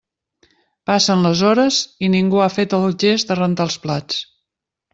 Passen les hores i ningú ha fet el gest de rentar els plats.